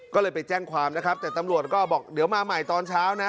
ก็เลยไปแจ้งความนะครับแต่ตำรวจก็บอกเดี๋ยวมาใหม่ตอนเช้านะ